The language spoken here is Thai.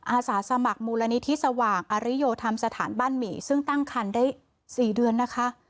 อาสาสมัครมูลนิธิสว่างอริโยธรรมสถานบ้านหมี่ซึ่งตั้งคันได้๔เดือนนะคะ